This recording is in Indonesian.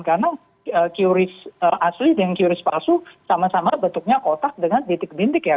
karena qris asli dan qris palsu sama sama bentuknya kotak dengan titik bintik